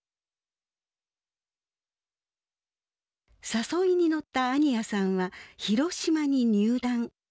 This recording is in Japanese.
誘いに乗った安仁屋さんは広島に入団。